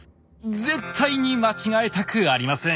絶対に間違えたくありません。